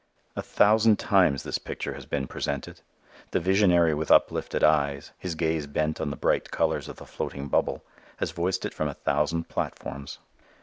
A thousand times this picture has been presented. The visionary with uplifted eyes, his gaze bent on the bright colors of the floating bubble, has voiced it from a thousand platforms.